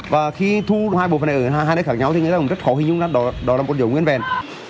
và khi thu hai bộ phần này ở hai nơi khác nhau thì người ta cũng rất khó hình dung ra đó là một con dấu nguyên vẹn